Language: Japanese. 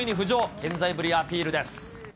健在ぶりをアピールです。